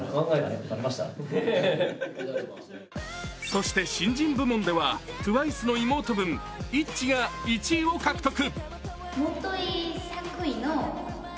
そして、新人部門ではＴＷＩＣＥの妹分・ＩＴＺＹが１位を獲得。